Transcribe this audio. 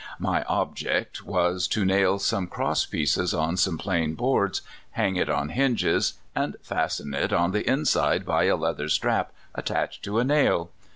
My object was to nail some cross pieces on some plain boards, hang it on hinges, and fasten it on the inside by a leather strap attached to a nail.